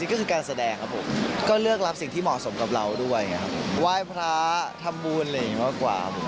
อันนี้ก็คือการแสดงครับผมก็เลือกรับสิ่งที่เหมาะสมกับเราด้วยอย่างงี้ครับ